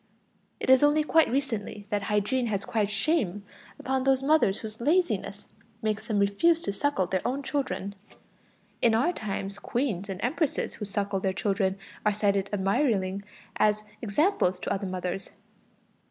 It is only quite recently that hygiene has cried shame upon those mothers whose laziness makes them refuse to suckle their own children; in our times queens and empresses who suckle their children are still cited admiringly as examples to other mothers.